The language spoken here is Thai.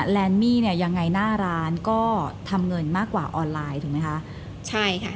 แนนมี่เนี่ยยังไงหน้าร้านก็ทำเงินมากกว่าออนไลน์ถูกไหมคะใช่ค่ะ